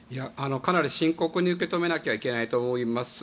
かなり深刻に受け止めなきゃいけないと思います。